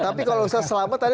tapi kalau anda menyebutkan ini